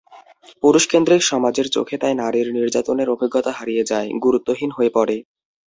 পুরুষকেন্দ্রিক সমাজের চোখে তাই নারীর নির্যাতনের অভিজ্ঞতা হারিয়ে যায়, গুরুত্বহীন হয়ে পড়ে।